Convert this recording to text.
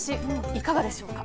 いかがでしょうか？